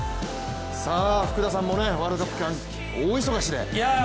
福田さんもワールドカップの期間、大忙しで。